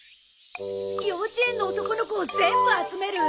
幼稚園の男の子を全部集める？